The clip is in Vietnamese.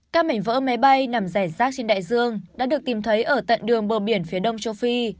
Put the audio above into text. các mảnh vỡ máy bay nằm rẻ rác trên đại dương đã được tìm thấy ở tận đường bờ biển phía đông châu phi